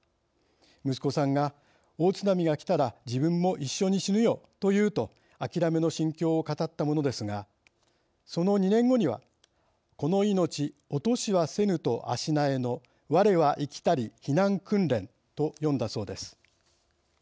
息子さんが大津波が来たら自分も一緒に死ぬよというとあきらめの心境を語ったものですがその２年後には「この命落としはせぬと足萎えの我は行きたり避難訓練」と詠んだそうです。